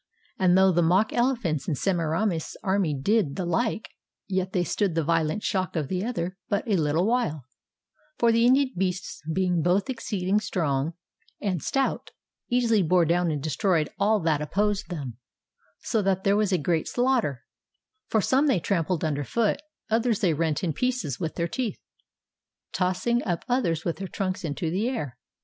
And though the mock elephants in Semiramis's army did the Uke, yet they stood the violent shock of the other but a Httle while; for the Indian beasts being both exceeding strong and stout, easily bore down and destroyed all that opposed them, so that there was a great slaughter; for some they trampled under foot, others they rent in pieces with their teeth, and tossed up others with their trunks into the air.